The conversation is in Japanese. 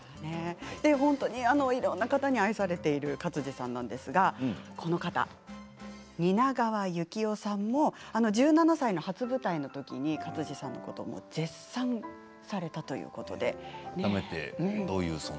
いろんな方に愛されている勝地さんなんですが蜷川幸雄さんも１７歳の初舞台の時に勝地さんのことを絶賛されたということで。